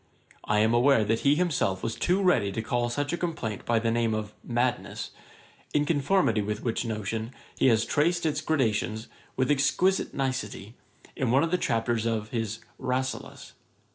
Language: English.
I am aware that he himself was too ready to call such a complaint by the name of madness; in conformity with which notion, he has traced its gradations, with exquisite nicety, in one of the chapters of his RASSELAS.